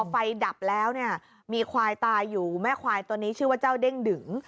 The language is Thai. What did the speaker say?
ไฟดับแล้วเนี่ยมีควายตายอยู่แม่ควายตัวนี้ชื่อว่าเจ้าเด้งดึง